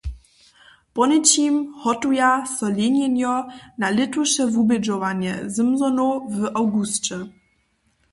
Poněčim hotuja so Lejnjenjo na lětuše wubědźowanje Simsonow w awgusće.